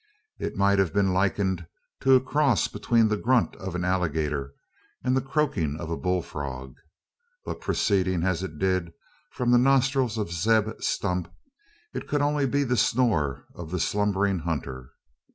It might have been likened to a cross between the grunt of an alligator and the croaking of a bull frog; but proceeding, as it did, from the nostrils of Zeb Stump, it could only be the snore of the slumbering hunter.